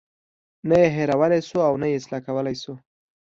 نه یې هیرولای شو او نه یې اصلاح کولی شو.